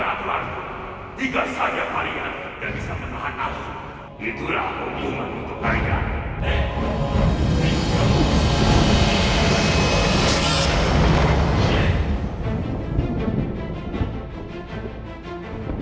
itulah yang menuntut kalian